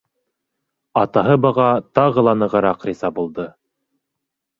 Атаһы быға тағы ла нығыраҡ риза булды.